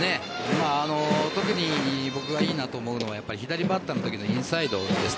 特に僕がいいなと思うのは左バッターのときのインサイドです。